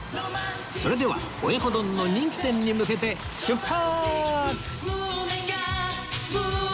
それでは親子丼の人気店に向けて出発！